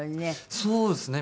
そうですね。